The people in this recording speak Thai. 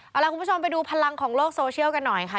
เอาล่ะคุณผู้ชมไปดูพลังของโลกโซเชียลกันหน่อยค่ะ